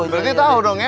berarti tau dong ya